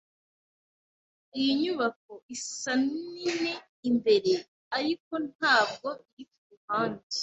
Iyi nyubako isa nini imbere, ariko ntabwo iri kuruhande.